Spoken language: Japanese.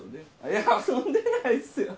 いや遊んでないっすよ。